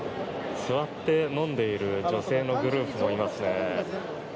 座って飲んでいる女性のグループもいますね。